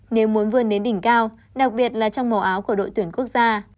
nếu muốn vươn đến đỉnh cao đặc biệt là trong màu áo của đội tuyển quốc gia